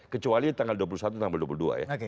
kecuali tanggal dua puluh satu tanggal dua puluh dua ya